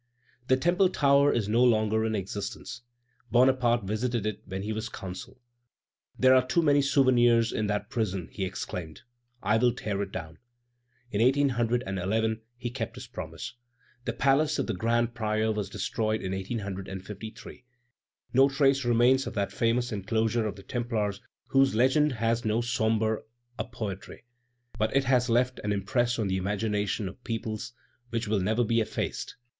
The Temple tower is no longer in existence. Bonaparte visited it when he was Consul. "There are too many souvenirs in that prison," he exclaimed. "I will tear it down." In 1811 he kept his promise. The palace of the grand prior was destroyed in 1853. No trace remains of that famous enclosure of the Templars whose legend has so sombre a poetry. But it has left an impress on the imagination of peoples which will never be effaced.